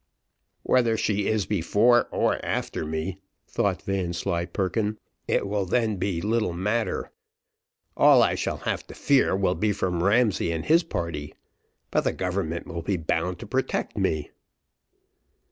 "Whether she is before or after me," thought Vanslyperken, "it will then be little matter, all I shall have to fear will be from Ramsay and his party, but the government will be bound to protect me."